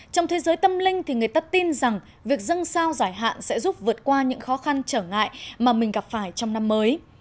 trong thế giới tâm linh thì người ta tin rằng việc dân sao giải hạn sẽ giúp vượt qua những khó khăn trở ngại mà mình gặp phải trong năm mới